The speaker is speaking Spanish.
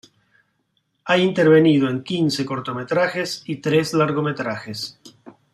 Ha intervenido en quince cortometrajes y tres largometrajes.